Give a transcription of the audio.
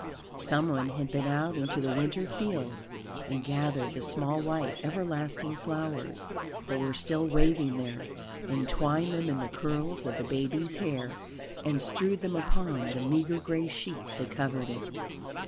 Someone had been out into the winter fields and gathered the small white everlasting flowers that were still waving there, and twined them in the curls of the baby's hair, and strewed them upon the meagre gray sheet that covered it.